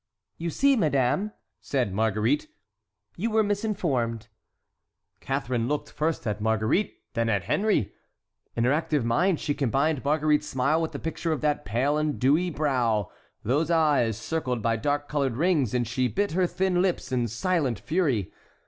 "You see, madame," said Marguerite, "you were misinformed." Catharine looked first at Marguerite, then at Henry. In her active mind she combined Marguerite's smile with the picture of that pale and dewy brow, those eyes circled by dark colored rings, and she bit her thin lips in silent fury.